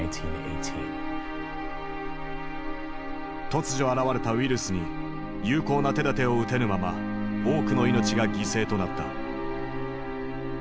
突如現れたウイルスに有効な手だてを打てぬまま多くの命が犠牲となった。